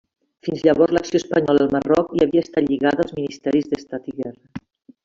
Fins llavors l'acció espanyola al Marroc hi havia estat lligada als Ministeris d'Estat i Guerra.